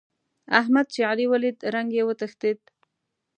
احمد چې علي وليد؛ رنګ يې وتښتېد.